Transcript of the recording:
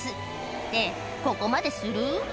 って、ここまでする？